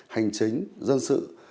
hành chính dân sự